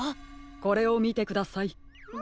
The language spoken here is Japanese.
これをみてください。